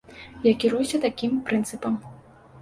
Я кіруюся такім прынцыпам.